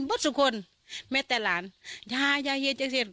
อ่ม่ะสุกคนไม่จะล้านย่าย่ายเย็น